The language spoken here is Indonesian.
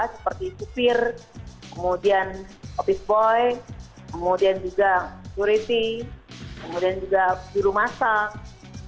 seperti supir kemudian office boy kemudian juga security kemudian juga juru masak